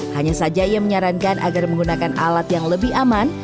hanya saja ia menyarankan agar menggunakan alat yang lebih aman